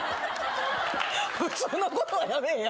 「普通のこと」はやめえや。